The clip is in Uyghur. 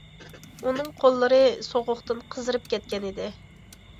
ئۇنىڭ قوللىرى سوغۇقتىن قىزىرىپ كەتكەن ئىدى.